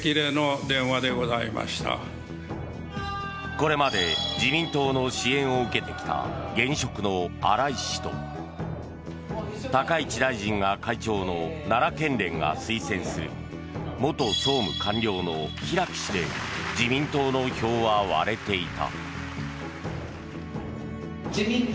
これまで自民党の支援を受けてきた現職の荒井氏と高市大臣が会長の奈良県連が推薦する元総務官僚の平木氏で自民党の票は割れていた。